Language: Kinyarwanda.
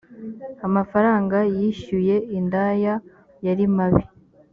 amafaranga yishyuwe indaya yarimabi